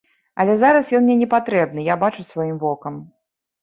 Але зараз ён мне не патрэбны, я бачу сваім вокам.